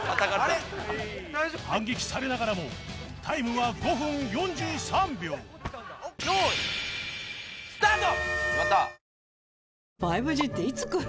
反撃されながらもタイムは５分４３秒用意スタート！